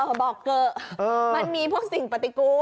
มันมีพวกสิ่งปฏิกุต